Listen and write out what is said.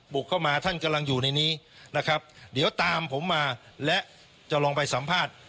เข้ามาท่านกำลังอยู่ในนี้นะครับเดี๋ยวตามผมมาและจะลองไปสัมภาษณ์